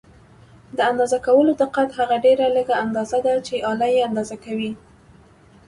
د اندازه کولو دقت هغه ډېره لږه اندازه ده چې آله یې اندازه کوي.